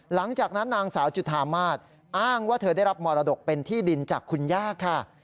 หลังจากนั้นนางสาวจุธามาศอ้างว่าเธอได้รับมรดกเป็นที่ดินจากคุณย่าค่ะ